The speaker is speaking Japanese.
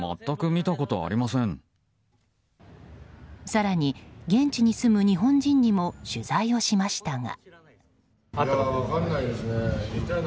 更に現地に住む日本人にも取材をしましたが。